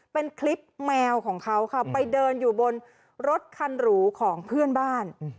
เป็นคลิปแมวของเขาค่ะไปเดินอยู่บนรถคันหรูของเพื่อนบ้าน